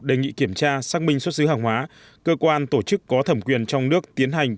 đề nghị kiểm tra xác minh xuất xứ hàng hóa cơ quan tổ chức có thẩm quyền trong nước tiến hành